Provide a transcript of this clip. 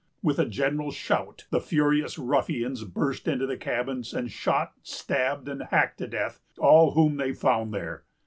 With a general shout, the furious ruffians burst into the cabins, and shot, stabbed, and hacked to death all whom they found there.